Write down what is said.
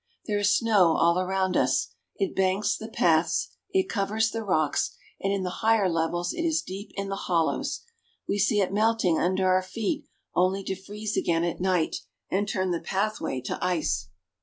There is snow all around us. It banks the paths, it covers the rocks, and in the higher levels it is deep in the hollows. We see it melting under our feet only to freeze again at night, and turn the pathway to ice.